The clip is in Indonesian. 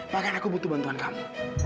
bahkan aku butuh bantuan kamu